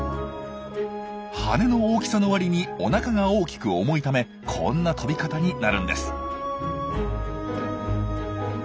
羽の大きさのわりにおなかが大きく重いためこんな飛び方になるんです。